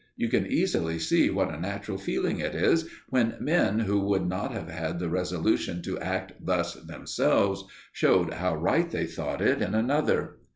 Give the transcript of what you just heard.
You can easily see what a natural feeling it is, when men who would not have had the resolution to act thus themselves, shewed how right they thought it in another.